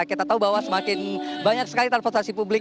kita tahu bahwa semakin banyak sekali transportasi publik